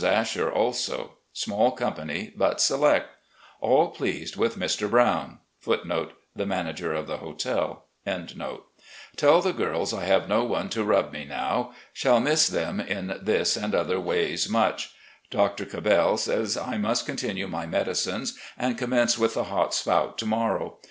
Asher also. Small company, but select. All pleased with Mr. Brown, f TeU the girls I have no one to rub me now. Shall miss them in this and other ways much. Dr. Cabell says I must continue my medicines and commence with the hot spout to morrow.